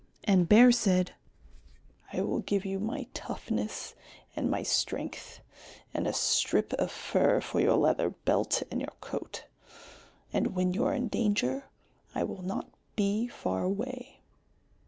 And Bear said, "I will give you my toughness and my strength, and a strip of fur for your leather belt and your coat. And when you are in danger, I will not be far away."